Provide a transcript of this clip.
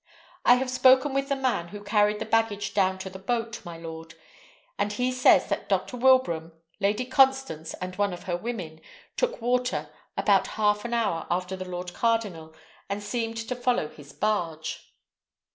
"I have spoken with the man who carried the baggage down to the boat, my lord; and he says that Dr. Wilbraham, Lady Constance, and one of her women, took water about half an hour after the lord cardinal, and seemed to follow his barge."